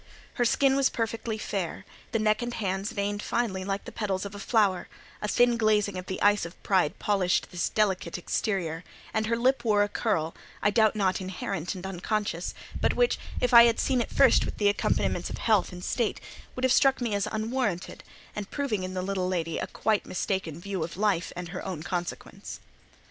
Her skin was perfectly fair, the neck and hands veined finely like the petals of a flower; a thin glazing of the ice of pride polished this delicate exterior, and her lip wore a curl—I doubt not inherent and unconscious, but which, if I had seen it first with the accompaniments of health and state, would have struck me as unwarranted, and proving in the little lady a quite mistaken view of life and her own consequence.